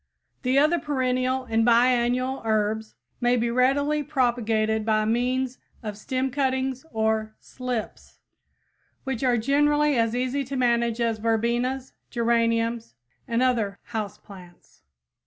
The other perennial and biennial herbs may be readily propagated by means of stem cuttings or "slips," which are generally as easy to manage as verbenas, geraniums and other "house plants."